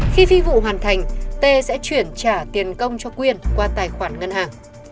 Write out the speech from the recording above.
khi phi vụ hoàn thành t sẽ chuyển trả tiền công cho quyên qua tài khoản ngân hàng